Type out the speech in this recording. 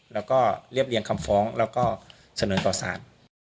แล้วก็เรียบเรียงคำฟ้องแล้วก็เสนอต่อสาร